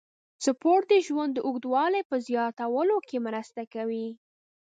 سپورت د ژوند د اوږدوالي په زیاتولو کې مرسته کوي.